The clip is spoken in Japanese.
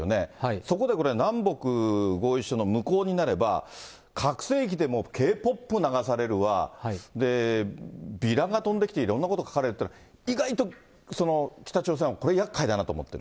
そこでこれ、南北合意書の無効になれば、拡声器でもＫ−ＰＯＰ流されるわ、ビラが飛んできて、いろんなこと書かれて、意外と北朝鮮はこれ、やっかいだなと思ってる。